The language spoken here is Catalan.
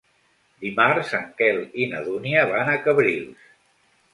Dimarts en Quel i na Dúnia van a Cabrils.